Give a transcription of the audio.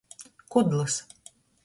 Kudlys.